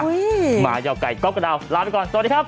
หมายาวไก่ก๊อบกระดาวลาไปก่อนสวัสดีครับ